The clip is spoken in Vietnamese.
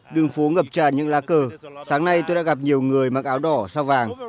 đường phố ngập tràn những lá cờ sáng nay tôi đã gặp nhiều người mặc áo đỏ sao vàng